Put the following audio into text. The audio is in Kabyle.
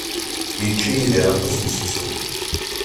Yečča Yidir aṭas n seksu.